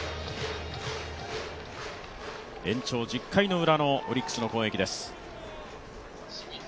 延長１０回のウラのオリックスの攻撃です。